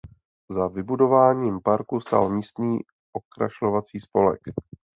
Za vybudováním parku stál místní okrašlovací spolek.